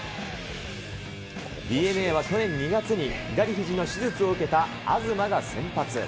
ＤｅＮＡは去年２月に左ひじの手術を受けた東が先発。